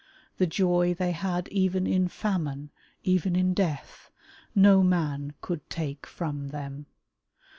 The joy they had even in famine, even in death, no man could take from them.